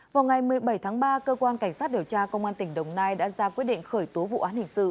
vào ngày một mươi bảy tháng ba cơ quan cảnh sát điều tra công an tỉnh đồng nai đã ra quyết định khởi tố vụ án hình sự